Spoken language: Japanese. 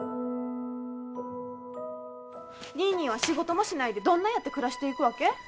ニーニーは仕事もしないでどんなやって暮らしていくわけ？